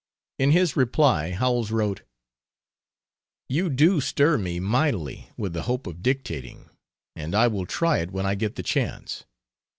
In his reply, Howells wrote: "You do stir me mightily with the hope of dictating and I will try it when I get the chance.